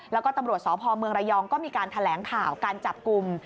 แล้วก็ตำรวจสพเมืองระยองก็มีการแถลงข่าวการจับกลุ่ม